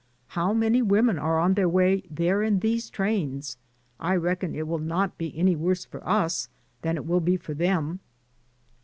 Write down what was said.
How many women are on their way there in these trains? I reckon it will not be any worse for us than it will be for them."